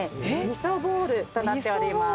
みそぼーるとなっております。